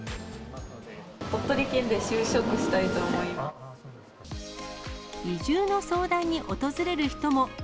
鳥取県で就職したいと思いま移住の相談に訪れる人も。